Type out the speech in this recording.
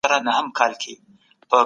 په دغه کوڅې کي د ماشومانو لپاره ځای نسته.